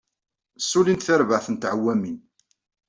Ssulint tarbaɛt n tɛewwamin.